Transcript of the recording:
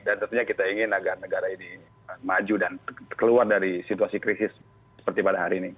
dan tentunya kita ingin agar negara ini maju dan keluar dari situasi krisis seperti pada hari ini